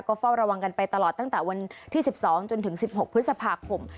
ก็เฝ้าระวังกันไปตลอดตั้งแต่วันที่๑๒จนถึง๑๖พฤษภาคม